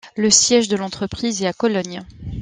Le siège de l'entreprise est à Cologne.